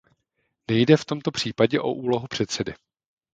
Nejde v tomto případě o úlohu předsedy.